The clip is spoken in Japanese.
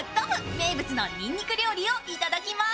名物のにんにく料理をいただきます。